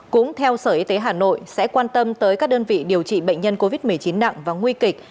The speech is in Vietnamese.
cũng theo sở y tế hà nội sẽ quan tâm tới các đơn vị điều trị bệnh nhân covid một mươi chín nặng và nguy kịch